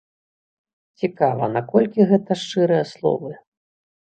Цікава, наколькі гэта шчырыя словы?